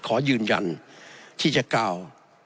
ขอยืนยันที่จะกล่าว